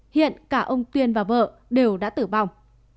hiện cả ông tuyên và vợ đều đã tử vong